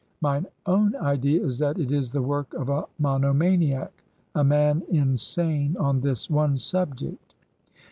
My own idea is that it is the work of a monomaniac— a man insane on this one subject.